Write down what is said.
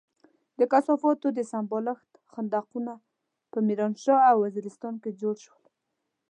د کثافاتو د سمبالښت خندقونه په ميرانشاه او وزيرستان کې جوړ شول.